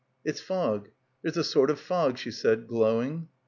"It's fog — there's a sort of fog," she said, glowing.